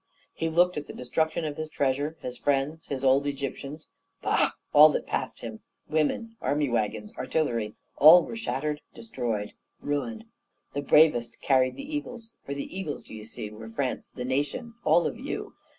He looked at the destruction of his treasure, his friends, his old Egyptians. Bah! all that passed him, women, army waggons, artillery, all were shattered, destroyed, ruined. The bravest carried the eagles; for the eagles, d'ye see, were France, the nation, all of you!